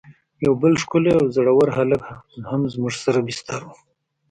یو بل ښکلی او زړه ور هلک هم زموږ سره بستر و.